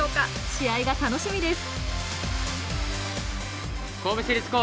試合が楽しみです。